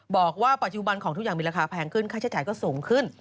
บอกว่าปัจจุบันของทุกอย่างมีราคาแพงขึ้นค่าใช้จ่ายก็สูงขึ้น